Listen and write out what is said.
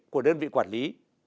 của đơn vị quản lý